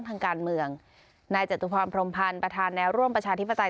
ทางการเมืองนายจตุพรพรมพันธ์ประธานแนวร่วมประชาธิปไตย